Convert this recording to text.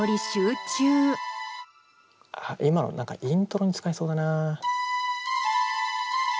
今の何かイントロに使えそうだな。